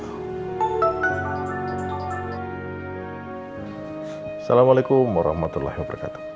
assalamualaikum warahmatullahi wabarakatuh